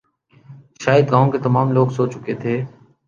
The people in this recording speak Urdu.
شاید گاؤں کے تمام لوگ سو چکے تھے